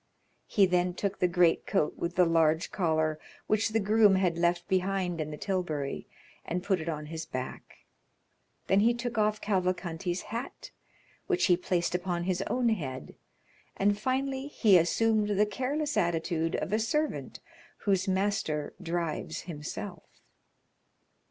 He then took the greatcoat with the large collar, which the groom had left behind in the tilbury, and put it on his back; then he took off Cavalcanti's hat, which he placed upon his own head, and finally he assumed the careless attitude of a servant whose master drives himself.